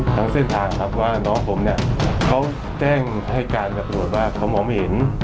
ทั้งเส้นทางทางทท่านทีน้องผมเขาแจ้งนำรวดว่าเขาไม่เห็น